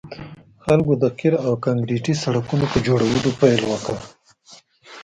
خلکو د قیر او کانکریټي سړکونو په جوړولو پیل وکړ